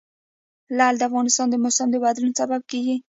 لعل د افغانستان د موسم د بدلون سبب کېږي.